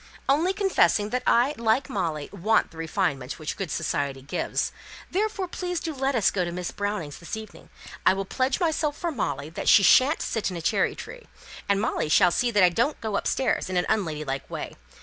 "Only confessing that I, like Molly, want the refinements which good society gives; therefore, please do let us go to Miss Brownings' this evening. I will pledge myself for Molly that she shan't sit in a cherry tree; and Molly shall see that I don't go upstairs in an unladylike way.